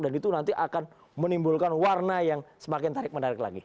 dan itu nanti akan menimbulkan warna yang semakin menarik lagi